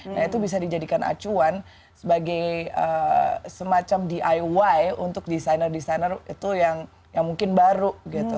nah itu bisa dijadikan acuan sebagai semacam diy untuk desainer desainer itu yang mungkin baru gitu